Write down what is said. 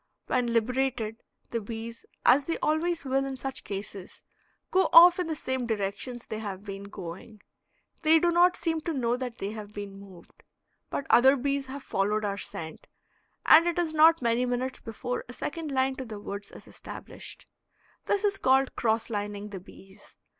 When liberated, the bees, as they always will in such cases, go off in the same directions they have been going; they do not seem to know that they have been moved. But other bees have followed our scent, and it is not many minutes before a second line to the woods is established. This is called cross lining the bees.